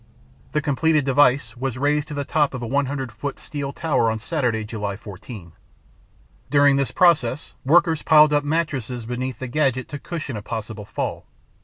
The completed device was raised to the top of a 100 foot steel tower on Saturday, July 14. During this process workers piled up mattresses beneath the gadget to cushion a possible fall.